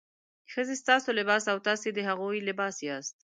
ښځې ستاسو لباس او تاسې د هغوی لباس یاست.